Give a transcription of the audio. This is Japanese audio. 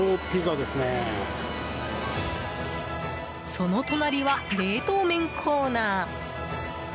その隣は、冷凍麺コーナー。